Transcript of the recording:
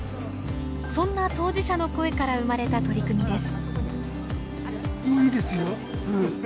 そんな当事者の声から生まれた取り組みです。